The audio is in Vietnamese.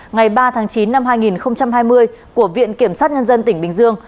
ngày ba tháng chín năm hai nghìn hai mươi của viện kiểm sát nhân dân tỉnh bình dương